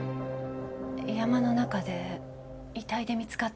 山の中で遺体で見つかったんです。